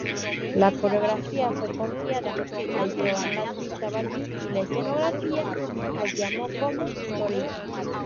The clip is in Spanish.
La coreografía fue confiada a Giovan Battista Balbi y la escenografía a Giacomo Torelli.